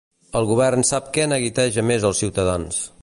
El govern sap què neguiteja més els ciutadans.